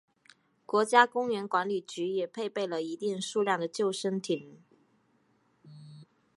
国家公园管理局也配备了一定数量的救生艇。